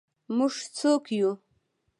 موږ څوک یو؟